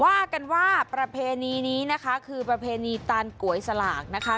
ว่ากันว่าประเพณีนี้นะคะคือประเพณีตานก๋วยสลากนะคะ